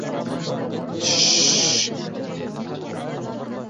— Tish-sh-sh! — dedi.